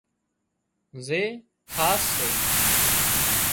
زي خاص سي